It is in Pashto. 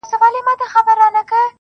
يو سړی لکه عالم درپسې ژاړي,